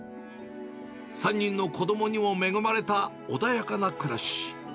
３人の子どもにも恵まれた穏やかな暮らし。